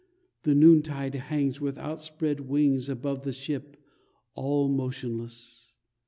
The noon tide hangs with outspread wings Above the ship, all motionless.